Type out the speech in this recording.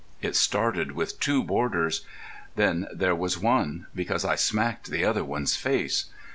It started with two boarders. Then there was one—because I smacked the other one's face.